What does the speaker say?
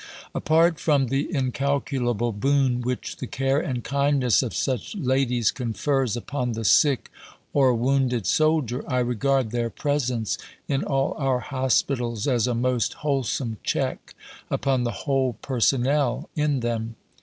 Apart from the incalculable boon which the care and kindness of such ladies confers upon the sick or wounded soldier, I regard their presence in all our hospitals as a most wholesome check upon the whole personnel in them.